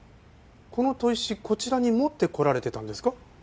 この砥石こちらに持ってこられてたんですか？